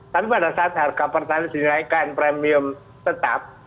tapi pada saat harga pertamina dinaikkan premium tetap